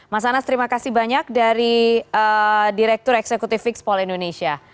mas anies terima kasih banyak dari direktur eksekutif vix pol indonesia